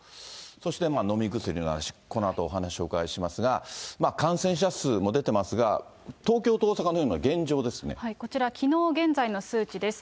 そして飲み薬の話、このあと、お話をお伺いしますが、感染者数も出てますが、こちら、きのう現在の数値です。